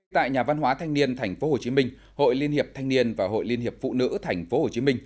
tại nhà văn hóa thanh niên tp hcm hội liên hiệp thanh niên và hội liên hiệp phụ nữ tp hcm